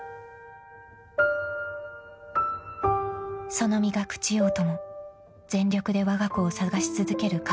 ［その身が朽ちようとも全力でわが子を捜し続ける覚悟］